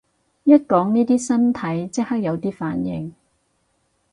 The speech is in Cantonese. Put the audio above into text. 一講呢啲身體即刻有啲反應